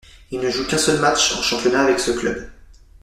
Il ne joue qu'un seul match en championnat avec ce club.